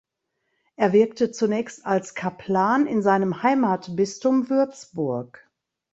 Er wirkte zunächst als Kaplan in seinem Heimatbistum Würzburg.